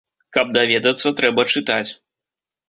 Каб даведацца, трэба чытаць.